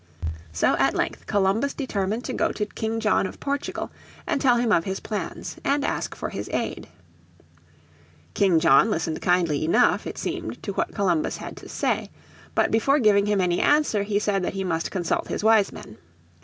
So at length Columbus determined to go to King John of Portugal to tell him of his plans, and ask for his aid. King John listened kindly enough, it seemed, to what Columbus had to say. But before giving him any answer he said that he must consult his wise men.